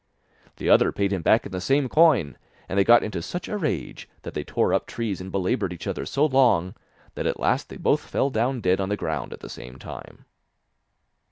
The other paid him back in the same coin, and they got into such a rage that they tore up trees and belaboured each other so long, that at last they both fell down dead on the ground at the same time.